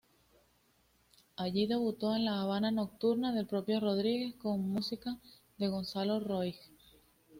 Allí debutó en "La Habana nocturna", del propio Rodríguez, con música de Gonzalo Roig.